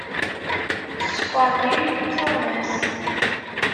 Sskeṛ diri-t i tuɣmas.